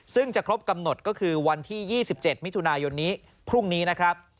ซึ่งจะครบกำหนดวันที่๒๗มิถุนายนพรุ่งนี้